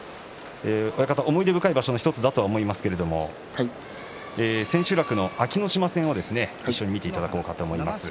思い出深い場所の１つだと思いますけれども千秋楽の安芸乃島戦も一緒に見ていただきます。